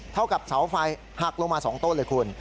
เท่ากับเสาไฟหักลงมา๒ต้นเลยคุณ